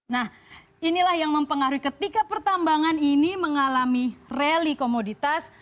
nah inilah yang mempengaruhi ketika pertambangan ini mengalami rally komoditas